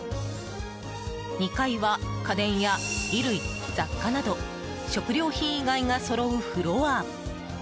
２階は家電や衣類、雑貨など食料品以外がそろうフロア。